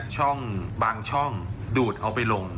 ช่องบางช่องดูดเอาไปลง